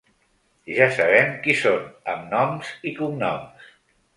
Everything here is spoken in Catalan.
Ja sabem qui són, amb noms i cognoms.